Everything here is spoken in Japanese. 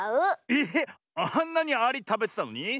ええっあんなにアリたべてたのに？